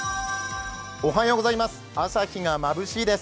朝日がまぶしいです。